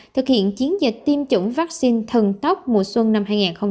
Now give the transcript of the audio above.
thực hiện chiến dịch tiêm chủng vaccine thần tốc mùa xuân năm hai nghìn hai mươi